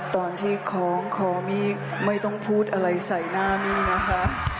ตอนที่คล้องคอมี่ไม่ต้องพูดอะไรใส่หน้ามี่นะคะ